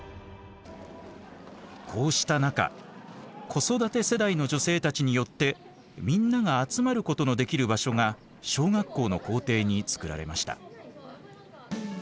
こうした中子育て世代の女性たちによってみんなが集まることのできる場所が小学校の校庭に作られました。